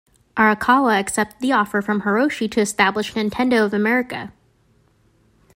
Arakawa accepted the offer from Hiroshi to establish Nintendo of America.